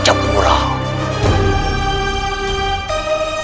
kami memang anak suara raja